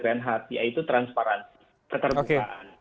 renhta itu transparansi keterbukaan